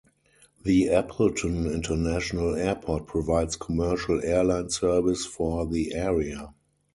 The Appleton International Airport provides commercial airline service for the area.